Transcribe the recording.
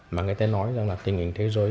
mà người ta nói là tình hình thế giới